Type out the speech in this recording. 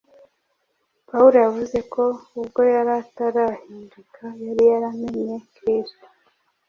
Pawulo yavuze ko ubwo yari atarahinduka yari yaramenye Kristo,